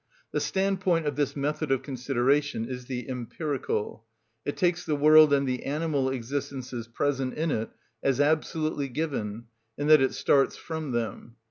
The standpoint of this method of consideration is the empirical. It takes the world and the animal existences present in it as absolutely given, in that it starts from them.